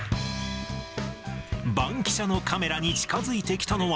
バンキシャのカメラに近づいてきたのは、